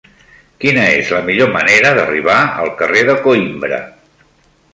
Quina és la millor manera d'arribar al carrer de Coïmbra?